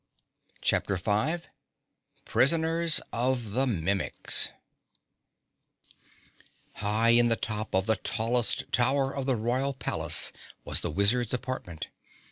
CHAPTER 5 Prisoners of the Mimics High in the top of the tallest tower of the Royal Palace was the Wizard's apartment.